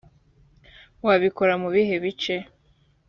wabikora mu bihe bice